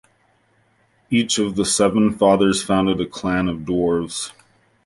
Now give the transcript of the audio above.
Each of the seven Fathers founded a clan of Dwarves.